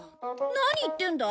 何言ってんだ。